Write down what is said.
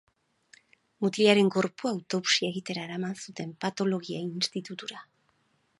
Mutilaren gorpua autopsia egitera eraman zuten Patologia Institutura.